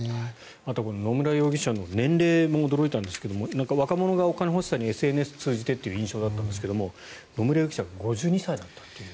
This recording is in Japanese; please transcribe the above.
あとは野村容疑者の年齢も驚いたんですが若者がお金欲しさにＳＮＳを通じてという印象だったんですが野村容疑者は５２歳だったという。